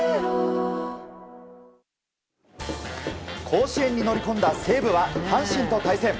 甲子園に乗り込んだ西武は阪神と対戦。